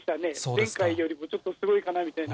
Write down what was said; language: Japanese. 前回よりもちょっとすごいかなみたいな。